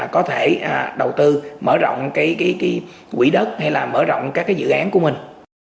có thể đầu tư mở rộng quỹ đất hay là mở rộng các dự án của mình